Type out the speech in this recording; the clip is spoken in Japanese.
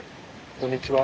こんにちは。